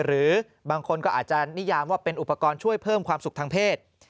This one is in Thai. หรือบางคนก็อาจจะนิยามว่าเป็นอุปกรณ์ช่วยเพิ่มความสุขทางเพศ